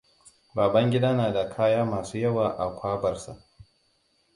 Babangida na da kaya masu yawa a kwabar sa.